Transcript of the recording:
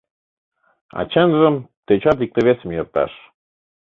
А чынжым — тӧчат икте-весым йӧрташ